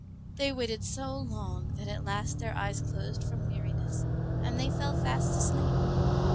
They waited so long that at last their eyes closed from weariness, and they fell fast asleep.